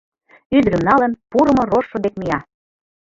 Ӱдырым налын, пурымо рожшо дек мия.